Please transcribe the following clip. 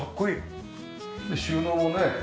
収納もね。